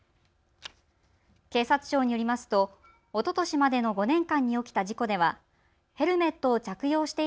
警察庁によりますとおととしまでの５年間に起きた事故ではヘルメットを着用して